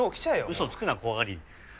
嘘つくな怖がり！